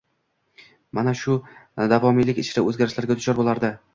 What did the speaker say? Mana shu davomiylik ichra o’zgarishlarga duchor bo’lardi.